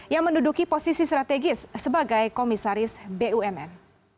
yang menduduki posisi strategis sebagai komisaris bumn